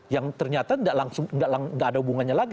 yang ternyata tidak ada hubungannya lagi